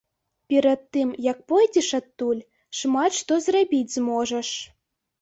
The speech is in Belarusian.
Перад тым, як пойдзеш адтуль, шмат што зрабіць зможаш.